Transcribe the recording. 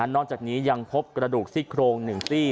นอกจากนี้ยังพบกระดูกซี่โครง๑ซี่